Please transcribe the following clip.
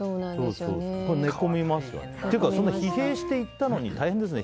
寝込みましたか？というか疲弊して行ったのに大変ですね